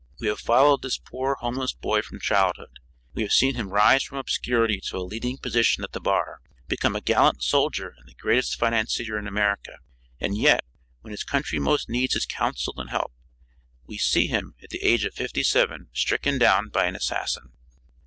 We have followed this poor homeless boy from childhood; we have seen him rise from obscurity to a leading position at the bar, become a gallant soldier and the greatest financier in America. And yet, when his country most needs his council and help, we see him, at the age of fifty seven, stricken down by an assassin.